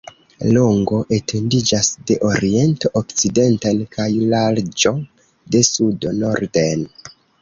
Longo etendiĝas de oriento okcidenten kaj larĝo de sudo norden.